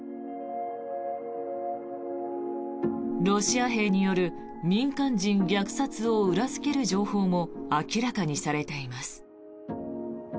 ロシア兵による民間人虐殺を裏付ける情報も明らかにされています。